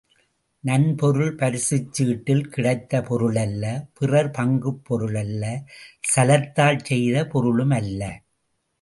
நன்பொருள் பரிசுச் சீட்டில் கிடைத்த பொருளல்ல பிறர் பங்குப் பொருள் அல்ல சலத்தால் செய்த பொருளும் அல்ல.